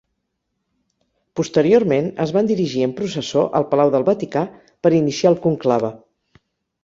Posteriorment, es van dirigir en processó al Palau del Vaticà per iniciar el conclave.